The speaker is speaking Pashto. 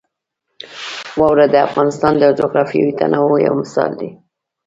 واوره د افغانستان د جغرافیوي تنوع یو مثال دی.